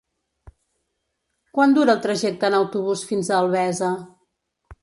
Quant dura el trajecte en autobús fins a Albesa?